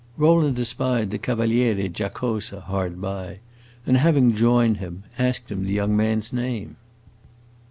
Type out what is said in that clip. Rowland espied the Cavaliere Giacosa hard by, and, having joined him, asked him the young man's name.